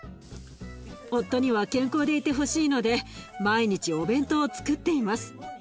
夫には健康でいてほしいので毎日お弁当をつくっています。